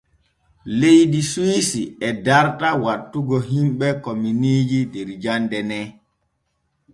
Leydi Suwisi e darta wattugo himɓe kominiiji der jande ne.